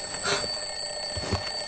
あっ。